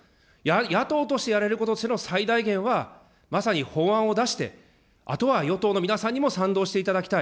野党としてやれること、その最大限は、まさに法案を出して、あとは与党の皆さんにも賛同していただきたい。